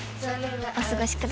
お過ごしください